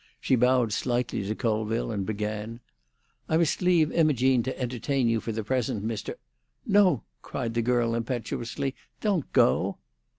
She bowed slightly to Colville, and began, "I must leave Imogene to entertain you for the present, Mr.—" "No!" cried the girl impetuously; "don't go."